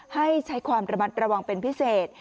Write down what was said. ให้ใช้ความระวังเป็นพิเศษ